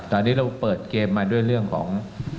ตอนนี้เราเปิดเกมมาด้วยเรื่องของ